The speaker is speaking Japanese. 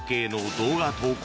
動画投稿